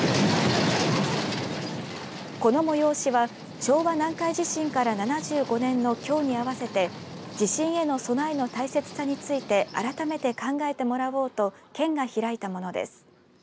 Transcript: この催しは昭和南海地震から７５年のきょうに合わせて地震への備えの大切さについて改めて考えてもらおうと県が開いたものです。